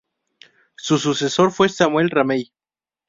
Su sucesor fue Samuel Ramey.